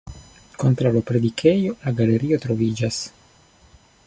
Kontraŭ la predikejo la galerio troviĝas.